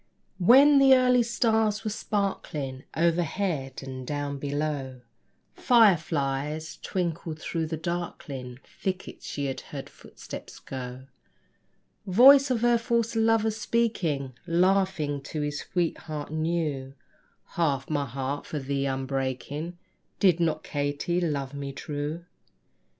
When the early stars were sparkling Overhead, and down below Fireflies twinkled, through the darkling Thickets she heard footsteps go Voice of her false lover speaking, Laughing to his sweetheart new: "Half my heart for thee I'm breaking: Did not Katy love me true?"